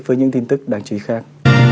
với những tin tức đáng chú ý khác